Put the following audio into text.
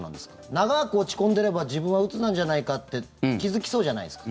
長く落ち込んでれば自分は、うつなんじゃないかって気付きそうじゃないですか。